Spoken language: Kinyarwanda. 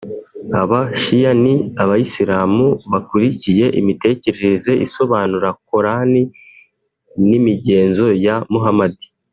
Aba shia ni abayisilamu bakurikiye imitekerereze isobanura coran n’imigenzo ya Muhamadi